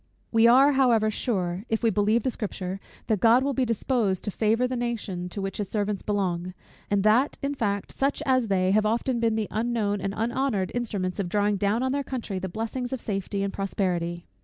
We are, however, sure, if we believe the Scripture, that God will be disposed to favour the nation to which his servants belong; and that, in fact, such as They, have often been the unknown and unhonoured instruments of drawing down on their country the blessings of safety and prosperity.